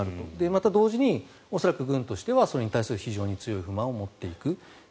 また同時に恐らく軍としてはそれに対する非常に強い不満を持っていく。